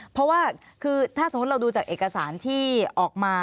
เพราะว่าคือถ้าสมมุติเราดูจากเอกสารที่ออกมา